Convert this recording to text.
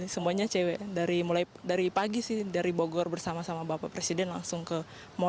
semuanya cewek dari mulai dari pagi sih dari bogor bersama sama bapak presiden langsung ke mall